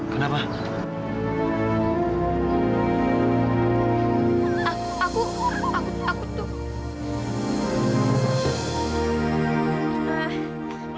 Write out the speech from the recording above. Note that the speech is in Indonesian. tunggu tunggu tunggu